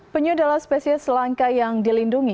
penyu adalah spesies langka yang dilindungi